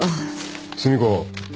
寿美子